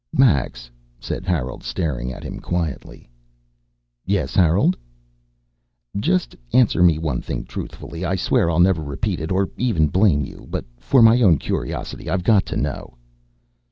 "Max," said Harold, staring at him quietly. "Yes, Harold?" "Just answer me one thing truthfully. I swear I'll never repeat it or even blame you. But for my own curiosity I've got to know."